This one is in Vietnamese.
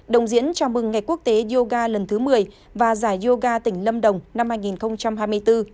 đồng diễn chào mừng ngày quốc tế yoga lần thứ một mươi và giải yoga tỉnh lâm đồng năm hai nghìn hai mươi bốn